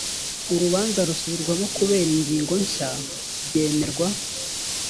urubanza rusubirwamo kubera ingingo nshya byemerwa